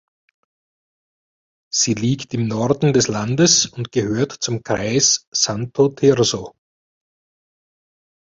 Sie liegt im Norden des Landes und gehört zum Kreis Santo Tirso.